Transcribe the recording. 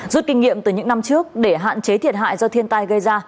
rút kinh nghiệm từ những năm trước để hạn chế thiệt hại do thiên tai gây ra